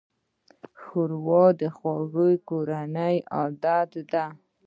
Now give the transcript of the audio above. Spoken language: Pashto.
ښوروا د خوږې کورنۍ عادت ده.